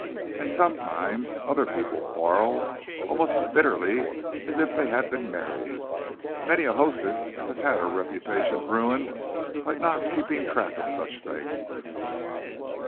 And sometimes other people quarrel—almost as bitterly as if they had been married. Many a hostess has had her reputation ruined by not keeping track of such things."